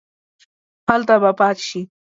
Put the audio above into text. هلته به پاتې شې.